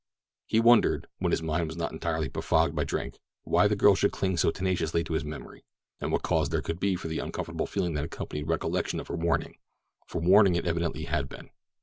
He wondered, when his mind was not entirely befogged by drink, why the girl should cling so tenaciously to his memory, and what cause there could be for the uncomfortable feeling that accompanied recollection of her warning—for warning it evidently had been.